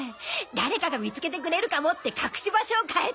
誰かが見つけてくれるかもって隠し場所を変えたんだ。